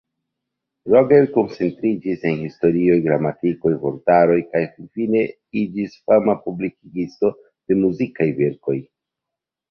Roger koncentriĝis en historioj, gramatikoj, vortaroj kaj finfine iĝis fama publikigisto de muzikaj verkoj.